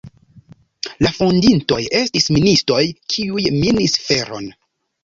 La fondintoj estis ministoj, kiuj minis feron.